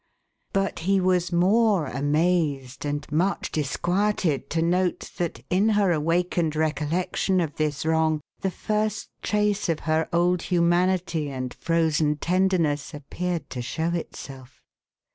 Hut he was more amazed, and much disquieted, to note that in her awakened recollection of this wrong, the first trace of her old humanity and frozen tenderness appeared to show itself.